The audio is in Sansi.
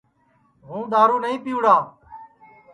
ہُوں دؔارُو نائی پِیوڑا